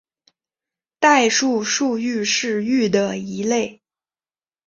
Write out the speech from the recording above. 代数数域是域的一类。